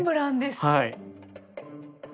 はい。